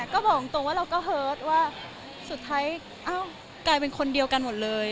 ก็บอกตรงว่าเราก็เฮิร์ตว่าสุดท้ายกลายเป็นคนเดียวกันหมดเลย